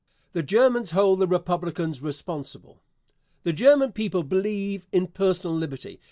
The Germans hold the Republicans responsible. The German people believe in personal liberty.